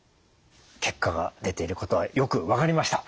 結果が出ていることはよく分かりました。